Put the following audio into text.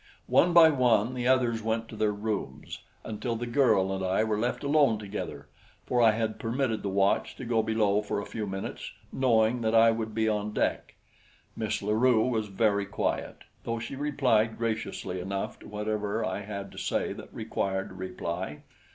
One by one the others went to their rooms, until the girl and I were left alone together, for I had permitted the watch to go below for a few minutes, knowing that I would be on deck. Miss La Rue was very quiet, though she replied graciously enough to whatever I had to say that required reply.